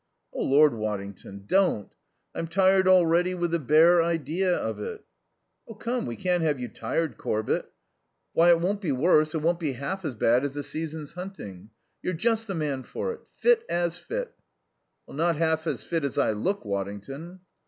"Oh, Lord, Waddington, don't. I'm tired already with the bare idea of it." "Come, we can't have you tired, Corbett. Why, it won't be worse, it won't be half as bad as a season's hunting. You're just the man for it. Fit as fit." "Not half as fit as I look, Waddington."